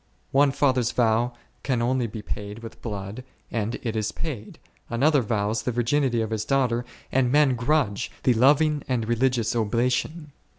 One father's vow can only be paid with blood, and it is paid ; another vow$ the virginity of his daughter, and men grudge the loving and re ligious oblation.